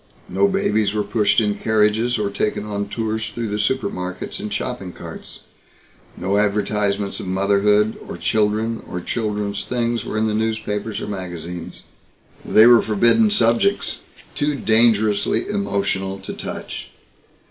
No babies were pushed in carriages or taken on tours through the supermarkets in shopping carts. No advertisements of motherhood, or children, or children's things were in the newspapers or magazines. They were forbidden subjects too dangerously emotional to touch.